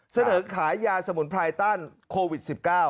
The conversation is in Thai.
เสนอขายยาสมุนไพรต้านโควิด๑๙